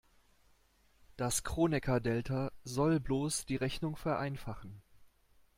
Das Kronecker-Delta soll bloß die Rechnung vereinfachen.